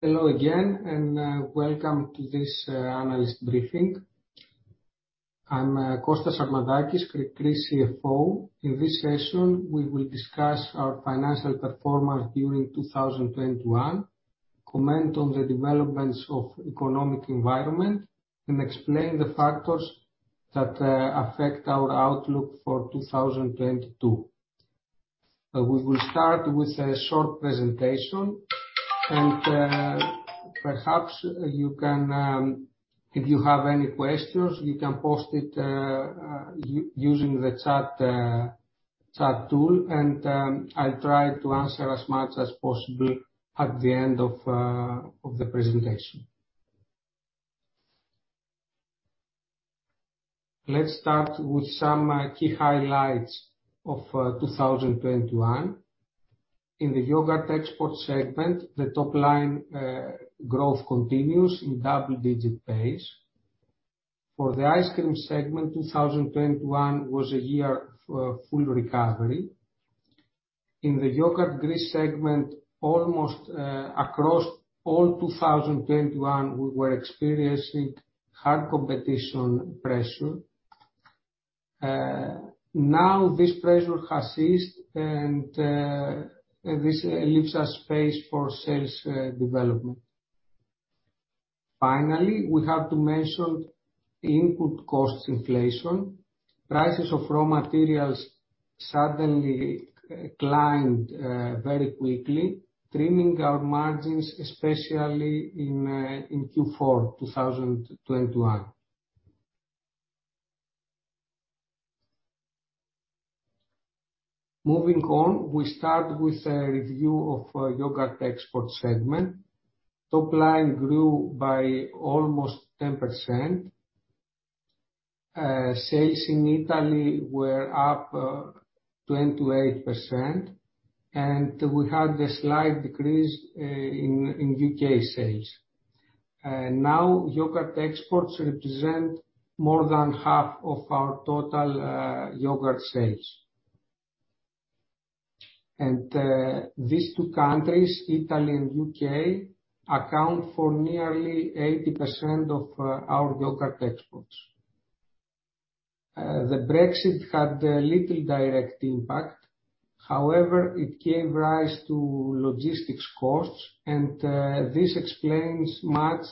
Hello again, welcome to this analyst briefing. I'm Kostas Sarmadakis, Greek CFO. In this session, we will discuss our financial performance during 2021, comment on the developments of economic environment, and explain the factors that affect our outlook for 2022. We will start with a short presentation and perhaps you can. If you have any questions, you can post it using the chat tool, and I'll try to answer as much as possible at the end of the presentation. Let's start with some key highlights of 2021. In the yogurt export segment, the top line growth continues in double-digit pace. For the ice cream segment, 2021 was a year for full recovery. In the Greek yogurt segment, almost across all 2021, we were experiencing hard competition pressure. Now this pressure has ceased, and this leaves us space for sales development. Finally, we have to mention input costs inflation. Prices of raw materials suddenly climbed very quickly, trimming our margins, especially in Q4 2021. Moving on. We start with a review of yogurt export segment. Top line grew by almost 10%. Sales in Italy were up 28%, and we had a slight decrease in U.K. sales. Now yogurt exports represent more than half of our total yogurt sales. These two countries, Italy and U.K., account for nearly 80% of our yogurt exports. The Brexit had little direct impact. However, it gave rise to logistics costs, and this explains much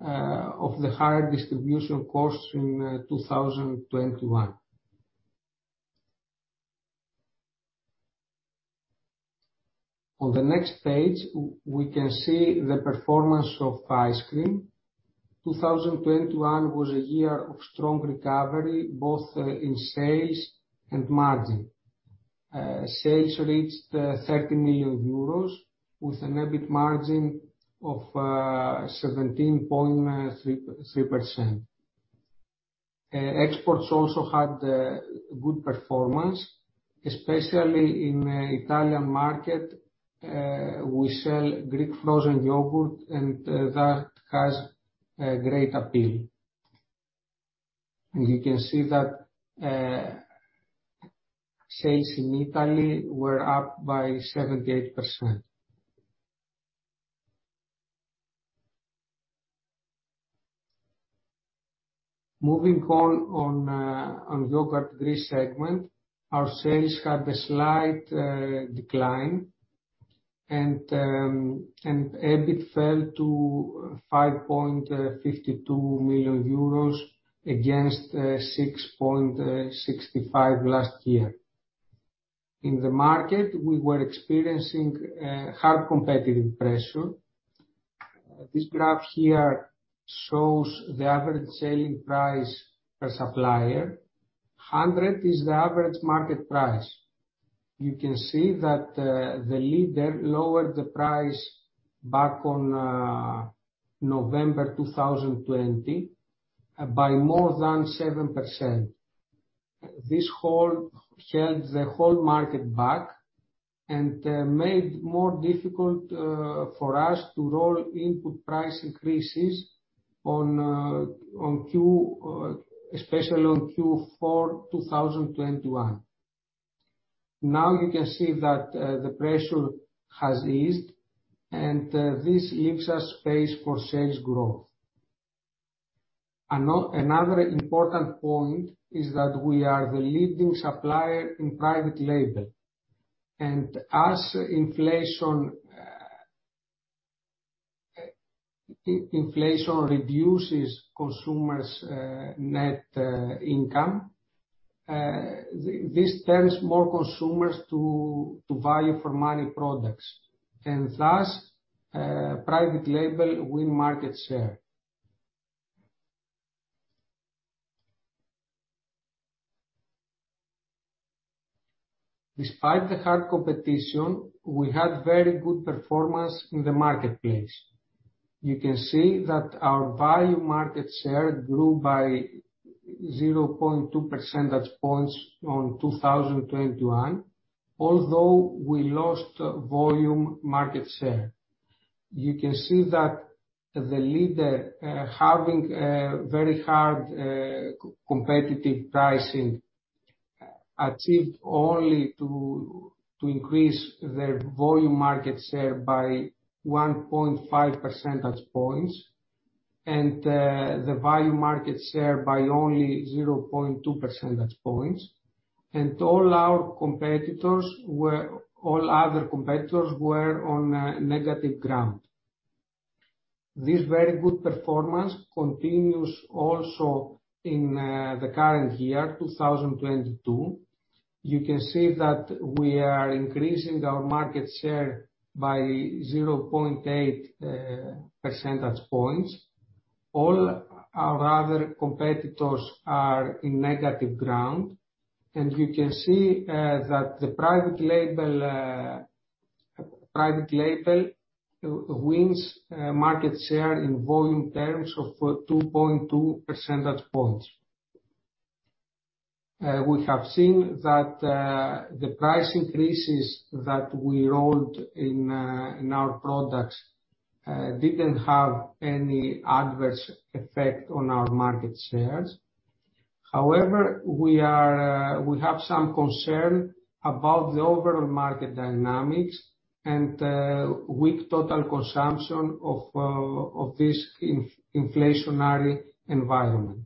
of the higher distribution costs in 2021. On the next page, we can see the performance of ice cream. 2021 was a year of strong recovery, both in sales and margin. Sales reached 30 million euros with an EBIT margin of 17.3%. Exports also had good performance, especially in Italian market. We sell Greek Frozen Yogurt, and that has a great appeal. You can see that sales in Italy were up by 78%. Moving on to Greek yogurt segment, our sales had a slight decline, and EBIT fell to 5.52 million euros against 6.65 million last year. In the market, we were experiencing hard competitive pressure. This graph here shows the average selling price per supplier. 100 is the average market price. You can see that the leader lowered the price back on November 2020 by more than 7%. This held the whole market back and made more difficult for us to roll input price increases on Q, especially on Q4 2021. Now you can see that the pressure has eased, and this leaves us space for sales growth. Another important point is that we are the leading supplier in private label. As inflation reduces consumers' net income, this turns more consumers to value for money products, and thus private label win market share. Despite the hard competition, we had very good performance in the marketplace. You can see that our value market share grew by 0.2 percentage points in 2021, although we lost volume market share. You can see that the leader, having a very hard competitive pricing, achieved only to increase their volume market share by 1.5 percentage points, and the value market share by only 0.2 percentage points. All other competitors were on negative ground. This very good performance continues also in the current year, 2022. You can see that we are increasing our market share by 0.8 percentage points. All our other competitors are in negative ground, and you can see that the private label wins market share in volume terms of 2.2 percentage points. We have seen that the price increases that we rolled out in our products didn't have any adverse effect on our market shares. However, we have some concern about the overall market dynamics and weak total consumption of this inflationary environment.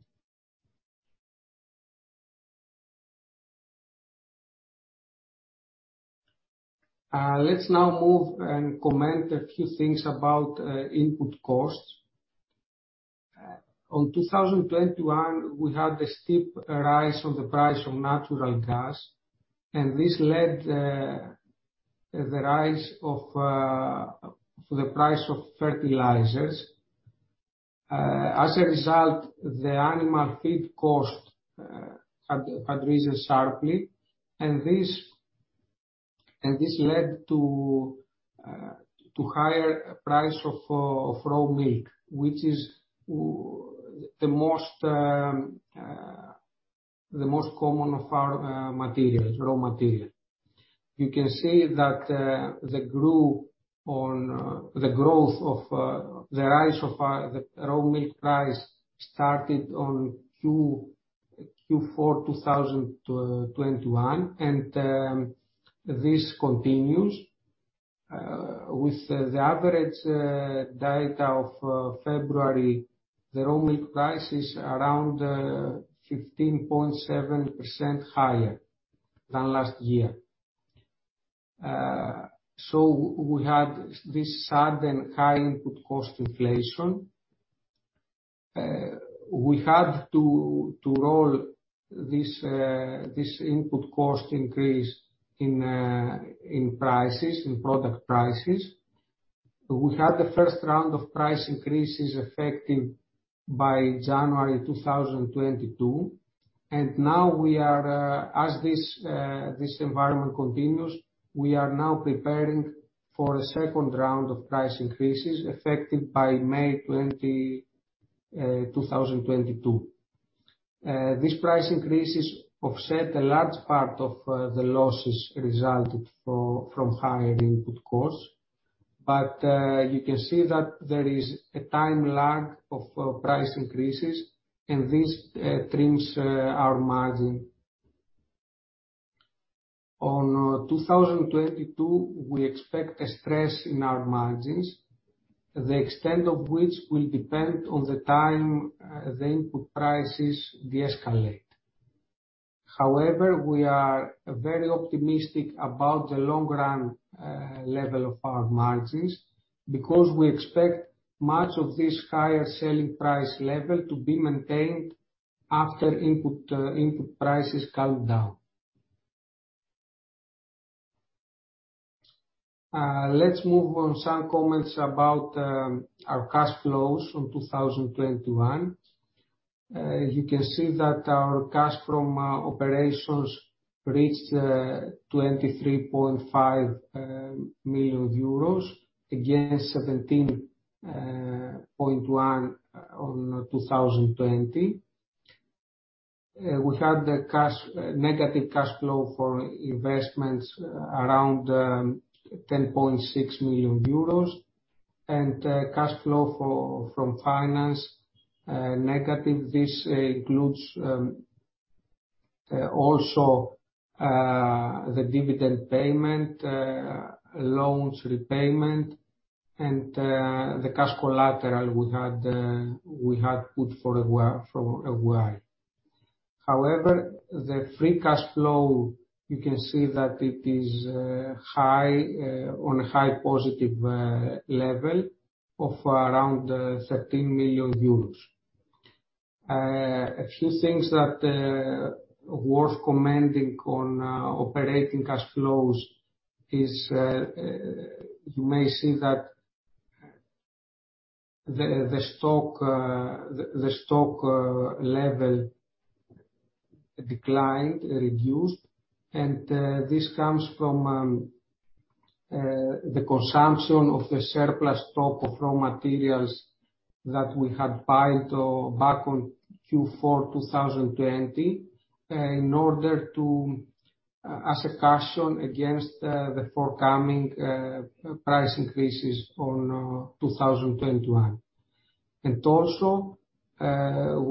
Let's now move and comment a few things about input costs. In 2021, we had a steep rise in the price of natural gas, and this led to the rise in the price of fertilizers. As a result, the animal feed cost had risen sharply, and this led to higher price of raw milk, which is the most common of our raw materials. You can see that the growth in the raw milk price started on Q4 2021, and this continues. With the average data of February, the raw milk price is around 15.7% higher than last year. We had this sudden high input cost inflation. We had to roll this input cost increase in product prices. We had the first round of price increases effective by January 2022, and now we are, as this environment continues, we are now preparing for a second round of price increases effective by May 20, 2022. These price increases offset a large part of the losses resulted from higher input costs. You can see that there is a time lag of price increases, and this trims our margin. In 2022, we expect a stress in our margins, the extent of which will depend on the time the input prices deescalate. However, we are very optimistic about the long run level of our margins, because we expect much of this higher selling price level to be maintained after input prices calm down. Let's move on some comments about our cash flows from 2021. You can see that our cash from operations reached EUR 23.5 million against 17.1 on 2020. We had a negative cash flow for investments around 10.6 million euros, and cash flow from finance negative. This includes also the dividend payment, loans repayment, and the cash collateral we had put for a while. However, the free cash flow, you can see that it is high on a high positive level of around 13 million euros. A few things that worth commenting on, operating cash flows is, you may see that the stock level declined, reduced. This comes from the consumption of the surplus stock of raw materials that we had bought back on Q4 2020 in order to as a caution against the forthcoming price increases on 2021.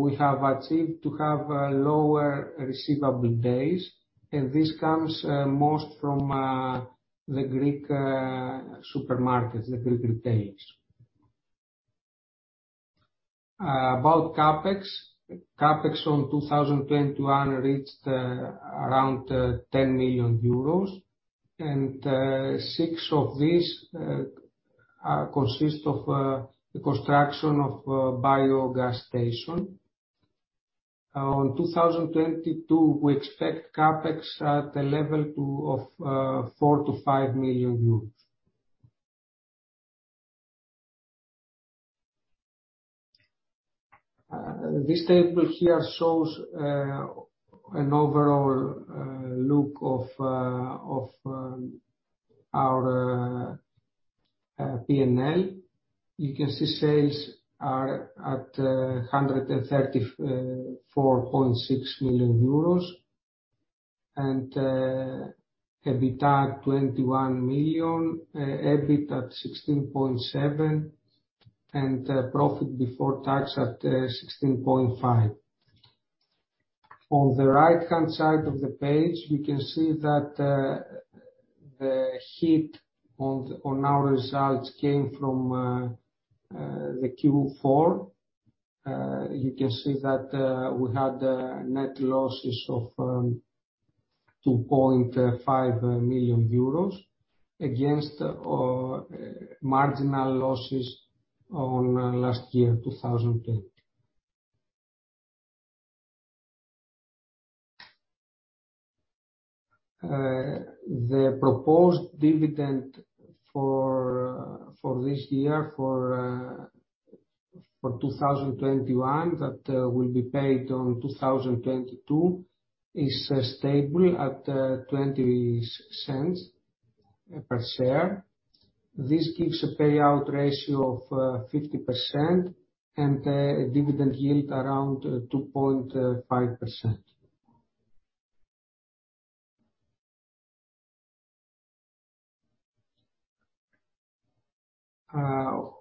We have achieved to have lower receivable days, and this comes most from the Greek supermarkets, the Greek retailers. About CapEx, CapEx on 2021 reached around EUR 10 million. Six of these consist of the construction of a biogas station. In 2022, we expect CapEx at a level of 4 million-5 million euros. This table here shows an overall look of our P&L. You can see sales are at 134.6 million euros, and EBITDA at 21 million, EBIT at 16.7 million, and profit before tax at 16.5 million. On the right-hand side of the page, you can see that the hit on our results came from the Q4. You can see that we had net losses of 2.5 million euros against our marginal losses in last year, 2020. The proposed dividend for this year, for 2021, that will be paid on 2022, is stable at 0.20 per share. This gives a payout ratio of 50% and a dividend yield around 2.5%.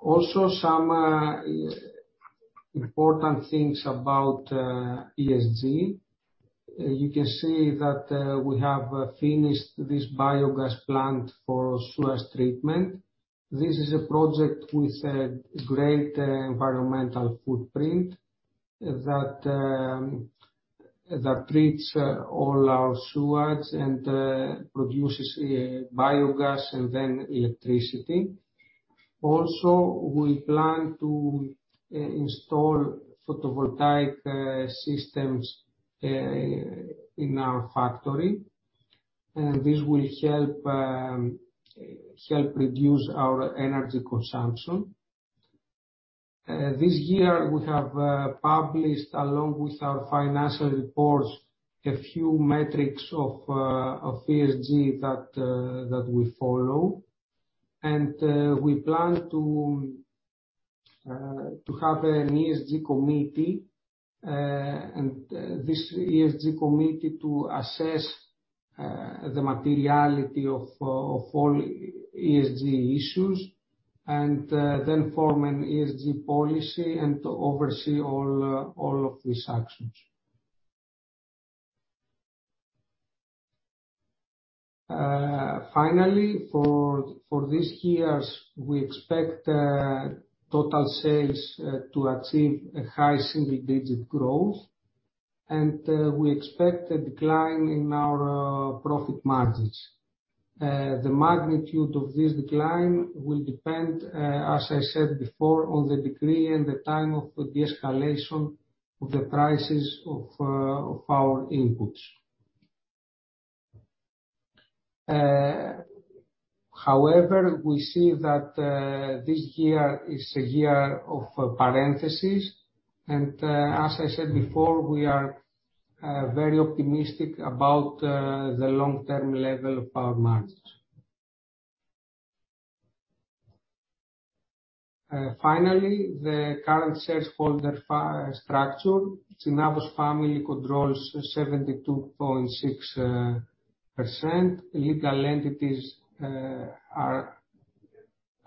Also some important things about ESG. You can see that we have finished this biogas plant for sewage treatment. This is a project with a great environmental footprint that treats all our sewage and produces biogas and then electricity. Also, we plan to install photovoltaic systems in our factory. This will help reduce our energy consumption. This year we have published, along with our financial reports, a few metrics of ESG that we follow. We plan to have an ESG committee. This ESG committee to assess the materiality of all ESG issues and then form an ESG policy and to oversee all of these actions. Finally, for this year, we expect total sales to achieve a high single digit growth. We expect a decline in our profit margins. The magnitude of this decline will depend, as I said before, on the degree and the time of the deescalation of the prices of our inputs. However, we see that this year is a year of parentheses, and as I said before, we are very optimistic about the long-term level of our margins. Finally, the current shareholders' file structure. Tsinavos family controls 72.6%. Legal entities are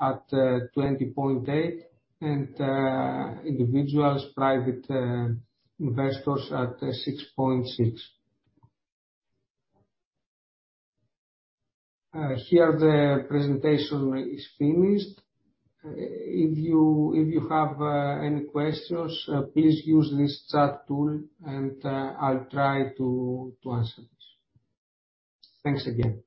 at 20.8%. Individuals, private investors at 6.6%. Here, the presentation is finished. If you have any questions, please use this chat tool, and I'll try to answer this. Thanks again.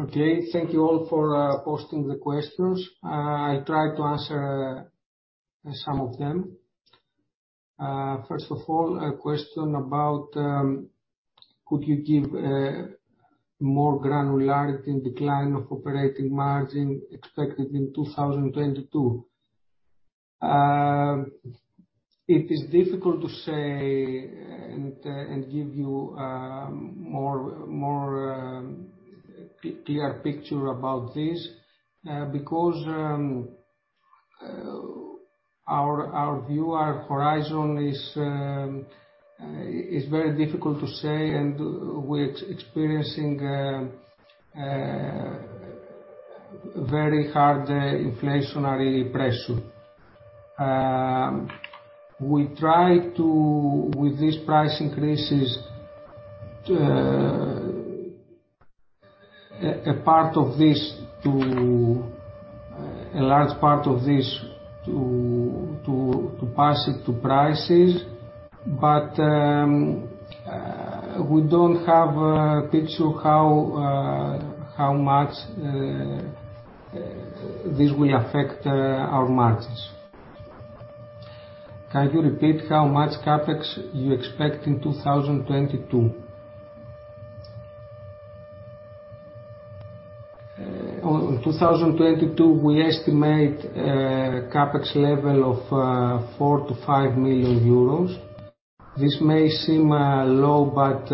Okay. Thank you all for posting the questions. I'll try to answer some of them. First of all, a question about could you give more granularity in decline of operating margin expected in 2022? It is difficult to say and give you more clear picture about this because our view, our horizon is very difficult to say. We're experiencing very hard inflationary pressure. We try to, with these price increases, a large part of this to pass it to prices. We don't have a picture how much this will affect our margins. Can you repeat how much CapEx you expect in 2022? On 2022, we estimate CapEx level of 4 million-5 million euros. This may seem low, but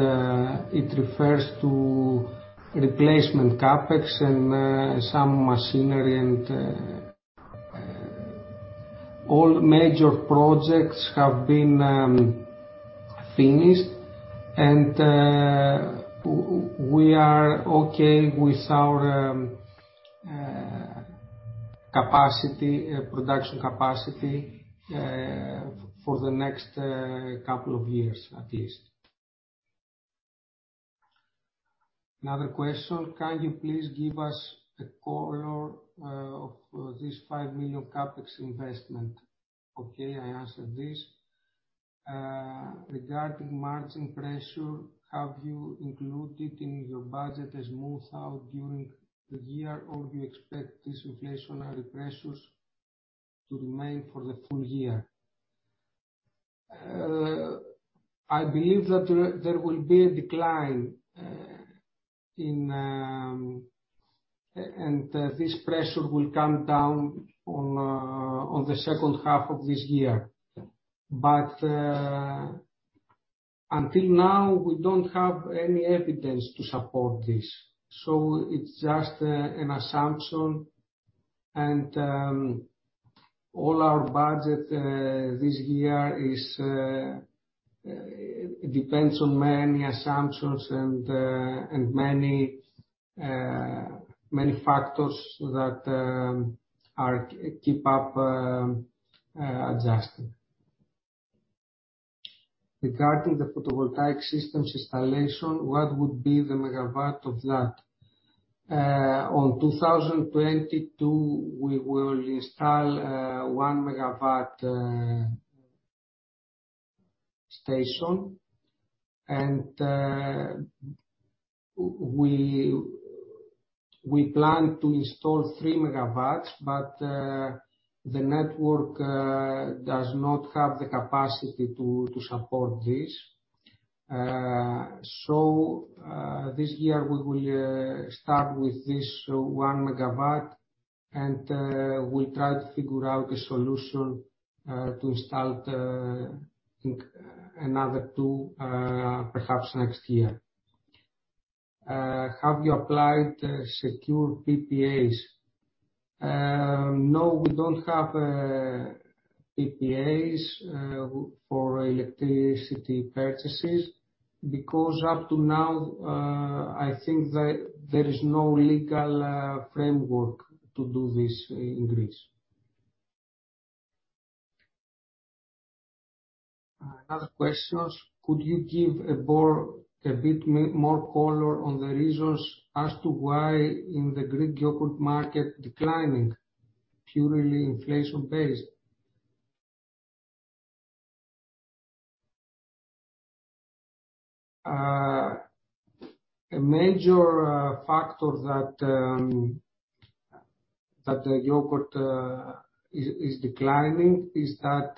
it refers to replacement CapEx and some machinery and equipment. All major projects have been finished and we are okay with our capacity, production capacity, for the next couple of years at least. Another question, can you please give us a color of this 5 million CapEx investment? Okay, I answered this. Regarding margin pressure, have you included in your budget a smooth out during the year, or do you expect these inflationary pressures to remain for the full year? I believe that there will be a decline. This pressure will come down in the second half of this year. Until now, we don't have any evidence to support this, so it's just an assumption. All our budget this year depends on many assumptions and many factors that are adjusted. Regarding the photovoltaic systems installation, what would be the megawatt of that? In 2022, we will install a 1 MW station. We plan to install 3 MW, but the network does not have the capacity to support this. This year we will start with this 1 MW, and we'll try to figure out a solution to install another two, perhaps next year. Have you applied secure PPAs? No, we don't have PPAs for electricity purchases, because up to now I think there is no legal framework to do this in Greece. Any other questions. Could you give the board a bit more color on the reasons as to why the Greek yogurt market is declining, purely inflation-based? A major factor that the yogurt is declining is that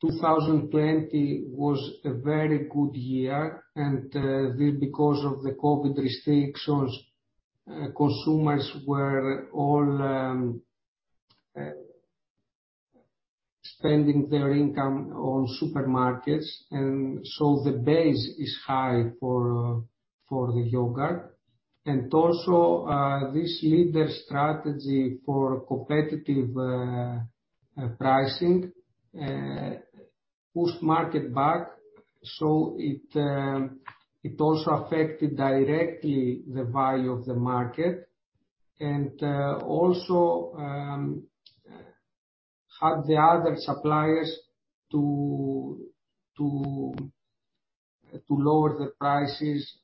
2020 was a very good year because of the COVID restrictions consumers were all spending their income on supermarkets. The base is high for the yogurt. This leader strategy for competitive pricing pushed market back. It also affected directly the value of the market. It also had the other suppliers to lower their prices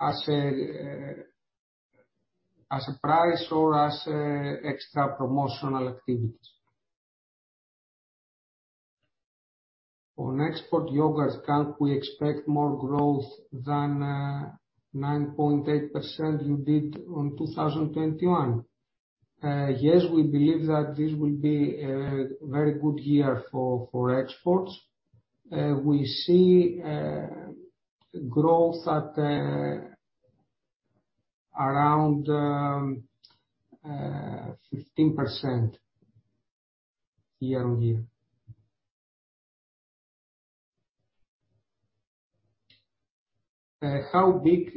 as a price war or as extra promotional activities. On export yogurts, can't we expect more growth than 9.8% you did in 2021? Yes, we believe that this will be a very good year for exports. We see growth at around 15% year-on-year. How big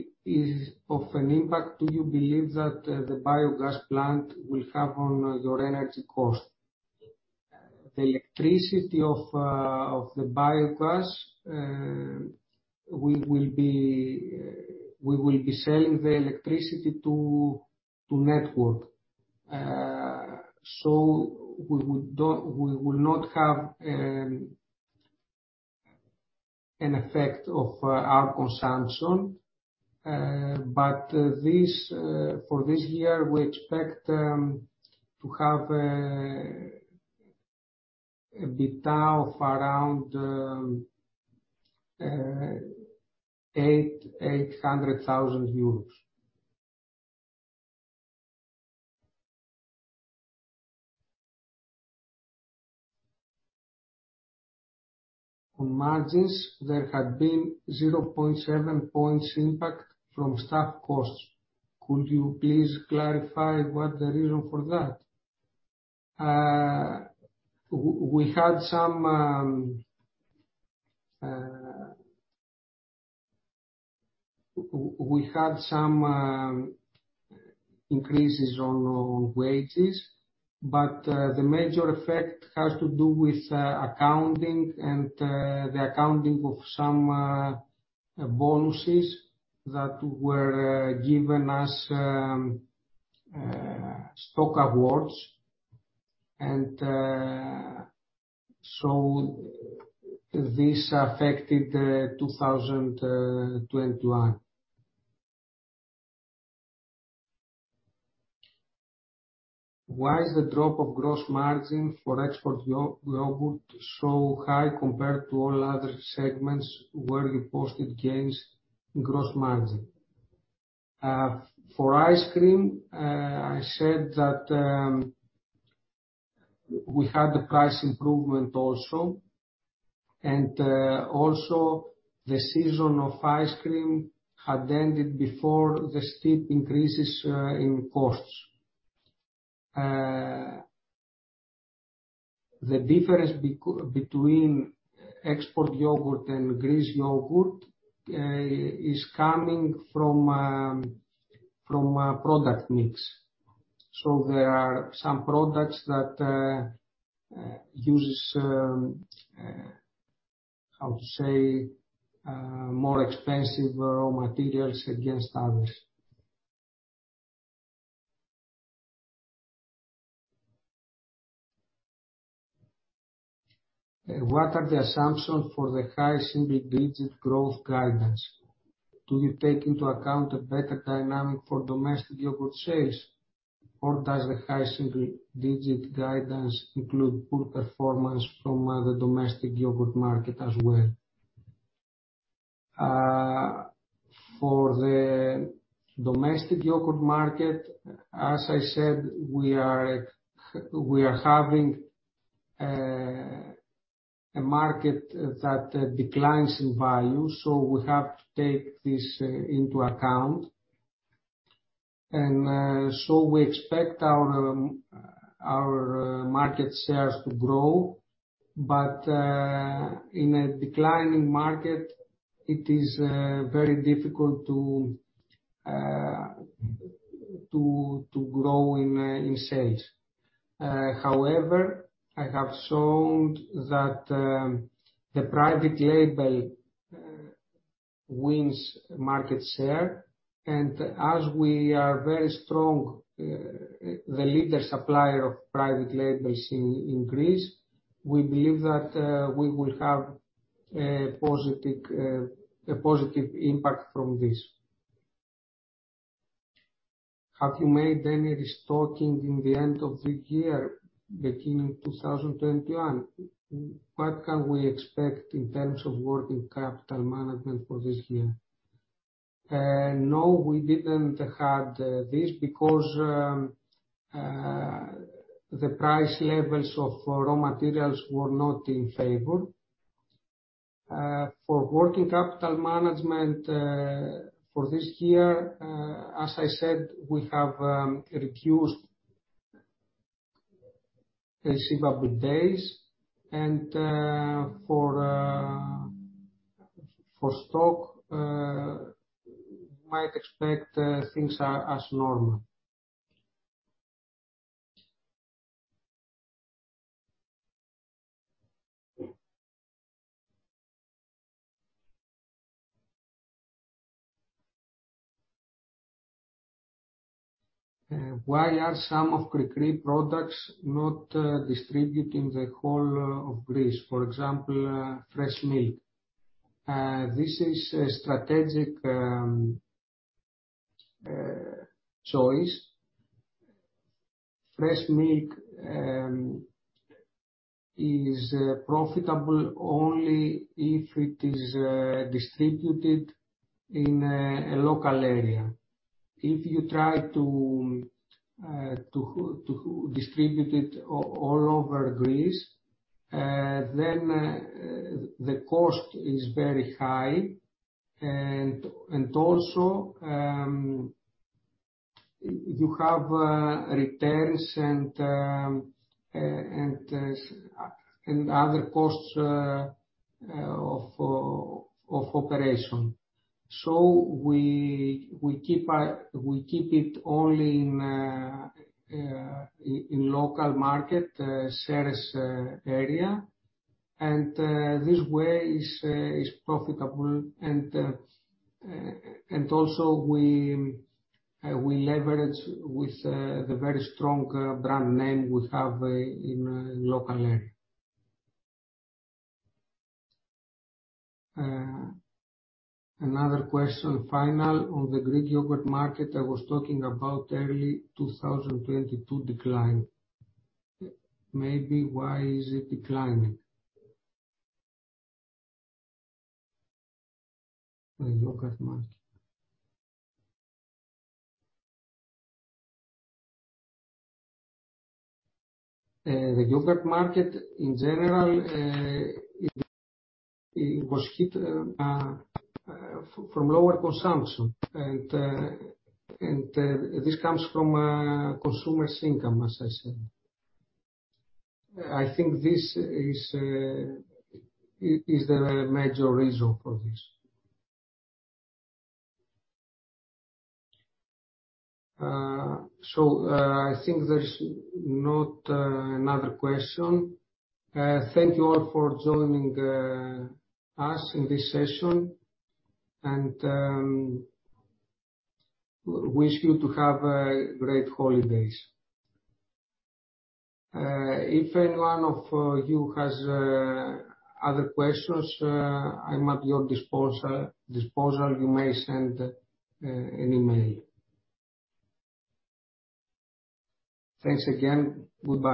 of an impact do you believe that the biogas plant will have on your energy cost? The electricity of the biogas, we will be selling the electricity to the network. We will not have an effect on our consumption. For this year, we expect to have an EBITDA of around EUR 800,000. On margins, there had been 0.7 points impact from staff costs. Could you please clarify what the reason for that? We had some increases on wages, but the major effect has to do with accounting and the accounting of some bonuses that were given as stock awards. This affected 2021. Why is the drop of gross margin for export yogurt so high compared to all other segments where you posted gains in gross margin? For ice cream, I said that we had the price improvement also. Also the season of ice cream had ended before the steep increases in costs. The difference between export yogurt and Greek yogurt is coming from product mix. There are some products that uses how to say more expensive raw materials against others. What are the assumptions for the high single digit growth guidance? Do you take into account a better dynamic for domestic yogurt sales, or does the high single digit guidance include poor performance from the domestic yogurt market as well? For the domestic yogurt market, as I said, we are having a market that declines in value, so we have to take this into account. We expect our market shares to grow. In a declining market, it is very difficult to grow in sales. However, I have shown that the private label wins market share. As we are very strong, the leading supplier of private labels in Greece, we believe that we will have a positive impact from this. Have you made any restocking in the end of the year beginning 2021? What can we expect in terms of working capital management for this year? No, we didn't have this because the price levels of raw materials were not in favor. For working capital management for this year, as I said, we have reduced receivable days. For stock, we might expect things are as normal. Why are some of Kri Kri products not distributed in the whole of Greece, for example, fresh milk? This is a strategic choice. Fresh milk is profitable only if it is distributed in a local area. If you try to distribute it all over Greece, then the cost is very high. You have returns and other costs of operation. We keep it only in local market service area. We leverage with the very strong brand name we have in local area. Another final question. On the Greek yogurt market, I was talking about early 2022 decline. Maybe why is it declining? The yogurt market. The yogurt market in general, it was hit from lower consumption. This comes from consumers' income, as I said. I think this is the major reason for this. I think there's not another question. Thank you all for joining us in this session, and wish you to have great holidays. If anyone of you has other questions, I'm at your disposal. You may send an email. Thanks again. Goodbye.